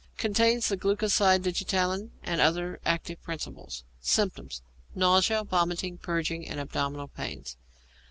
Contains the glucoside digitalin and other active principles. Symptoms. Nausea, vomiting, purging, and abdominal pains.